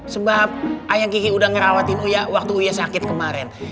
sebab ayang diki udah ngerawatin uya waktu uya sakit kemarin